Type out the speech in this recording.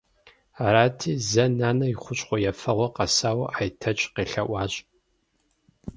Арати, зэ нанэ и хущхъуэ ефэгъуэр къэсауэ Айтэч къелъэӀуащ.